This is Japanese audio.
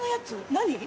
何？